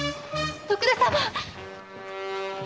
徳田様！